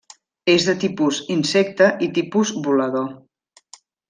És de tipus insecte i tipus volador.